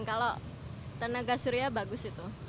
kalau tenaga surya bagus itu